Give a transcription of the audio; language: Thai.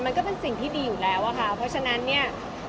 มันก็เป็นสิ่งที่ดีอยู่แล้วอะค่ะเพราะฉะนั้นเนี่ย